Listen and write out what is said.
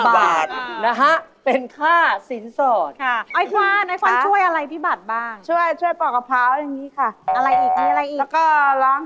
มีเมียครั้งนี้ทำไมมันถูกจัง